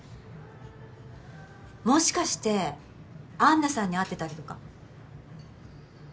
もしかして安奈さんに会ってたりとか？